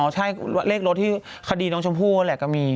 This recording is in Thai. ใช่เลขรถที่คดีน้องชมพู่นั่นแหละก็มี